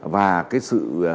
và cái sự